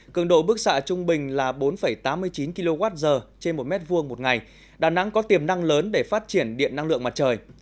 cường độ bức xạ trung bình là bốn tám mươi chín kwh trên một m hai một ngày đà nẵng có tiềm năng lớn để phát triển điện năng lượng mặt trời